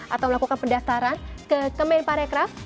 atau melakukan pendaftaran ke main para aircraft